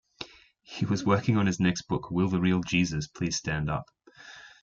He was working on his next book Will The Real Jesus Please Stand Up?